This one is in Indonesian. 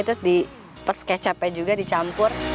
terus di pas kecapnya juga dicampur